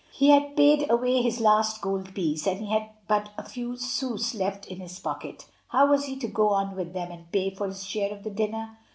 He had paid away his last gold piece, and he had but a few sous left in his pocket. How was he to go on with them and pay for his share of the dinner?